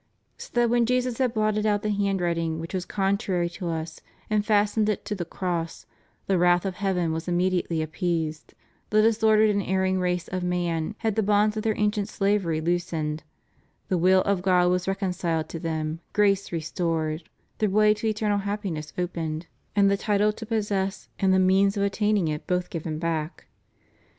^ So that when Jesus had blotted out the handwriting which was contrary to us, and fastened it to the cross, the wrath of heaven was immediately appeased; the disordered and erring race of man had the bonds of their ancient slavery loosed, the will of God was reconciled to them, grace restored, the way to eternal happiness opened, and the title to possess and the means of attaining it both given back.